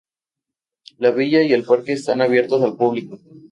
La Villa y el Parque están abiertos al público.